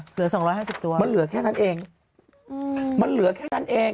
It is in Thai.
เหลือสองร้อยห้าสิบตัวมันเหลือแค่นั้นเองอืมมันเหลือแค่นั้นเอง